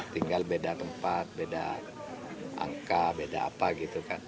tinggal beda tempat beda angka beda apa gitu kan